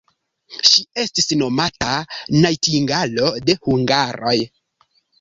Ŝi estis nomata najtingalo de hungaroj.